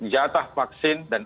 jatah vaksin dan